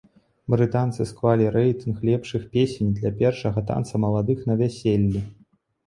Брытанцы склалі рэйтынг лепшых песень для першага танца маладых на вяселлі.